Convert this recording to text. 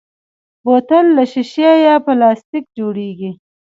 بوتل له شیشې یا پلاستیک جوړېږي.